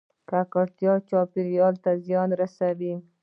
ککړتیا چاپیریال ته زیان رسوي